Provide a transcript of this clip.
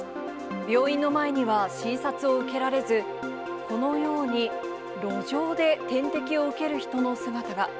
病院の前には、診察を受けられず、このように、路上で点滴を受ける人の姿が。